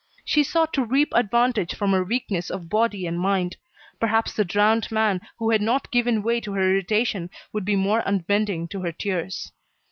She sought to reap advantage from her weakness of body and mind. Perhaps the drowned man, who had not given way to her irritation, would be more unbending to her tears.